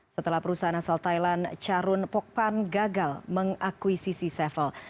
setelah perusahaan asal thailand charun pokpan gagal mengakuisisi sevel